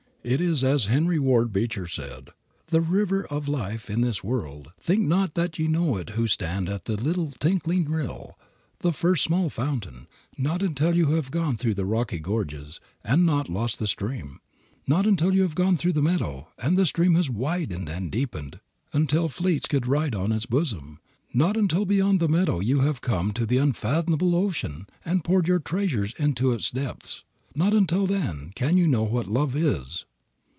It is, as Henry Ward Beecher said, "the river of life in this world. Think not that ye know it who stand at the little tinkling rill, the first small fountain. Not until you have gone through the rocky gorges, and not lost the stream; not until you have gone through the meadow, and the stream has widened and deepened until fleets could ride on its bosom; not until beyond the meadow you have come to the unfathomable ocean, and poured your treasures into its depths not until then can you know what love is."